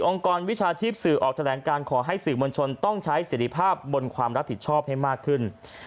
กรวิชาชีพสื่อออกแถลงการขอให้สื่อมวลชนต้องใช้สิทธิภาพบนความรับผิดชอบให้มากขึ้น